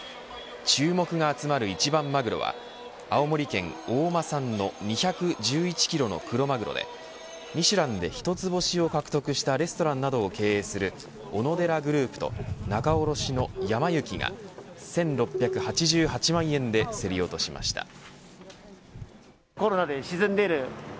注目が集まる一番マグロは青森県大間産の２１１キロのクロマグロでミシュランで１つ星を獲得したレストランなどを経営するオノデラグループと仲卸のやま幸が１６８８万円で競り落としました。